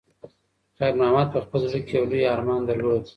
خیر محمد په خپل زړه کې یو لوی ارمان درلود.